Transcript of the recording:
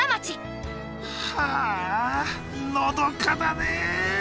はあのどかだねえ。